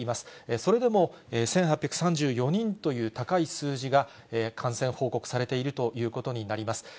それでも１８３４人という高い数字が感染報告されているということになります。